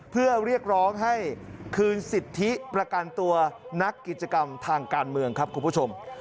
เพื่อเรียกร้องให้คืนสิทธิประกันตัวนักกิจกรรมทางการเมืองครับคุณผู้ชม